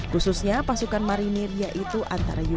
khususnya pasukan marinir yaitu antara unit